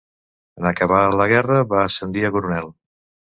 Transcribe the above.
En acabar la guerra va ascendir a coronel.